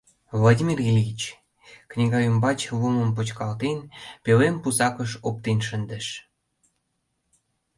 Владимир Ильич, книга ӱмбач лумым почкалтен, пӧлем пусакыш оптен шындыш.